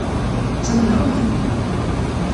Ttamneɣ Mhenni.